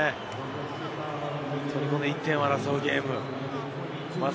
本当に１点を争うゲーム。